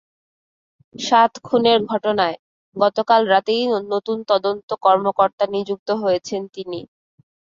সাত খুনের ঘটনায় গতকাল রাতেই নতুন তদন্ত কর্মকর্তা নিযুক্ত হয়েছেন তিনি।